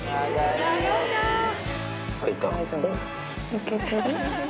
いけてる？